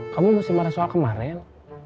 kamu masih marah soal kemarin